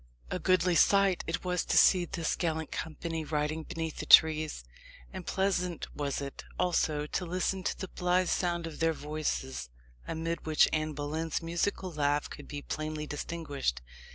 A goodly sight it was to see this gallant company riding beneath the trees; and pleasant was it, also, to listen to the blithe sound of their voices, amid which Anne Boleyn's musical laugh could be plainly distinguished.